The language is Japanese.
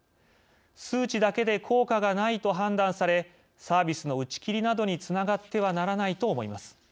数値だけで効果が無いと判断されサービスの打ち切りなどにつながってはならないと思います。